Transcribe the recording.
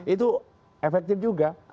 itu efektif juga